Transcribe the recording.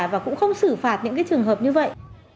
và cũng không xử phạt những trường hợp như vậy